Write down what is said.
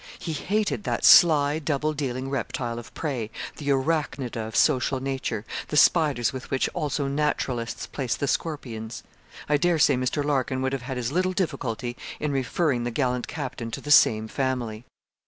He hated that sly, double dealing reptile of prey the arachnida of social nature the spiders with which also naturalists place the scorpions. I dare say Mr. Larkin would have had as little difficulty in referring the gallant captain to the same family.